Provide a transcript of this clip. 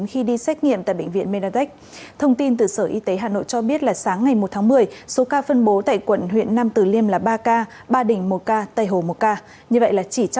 khi đó khi biết thông tin thành phố hồ chí minh sẽ nới lỏng giận cách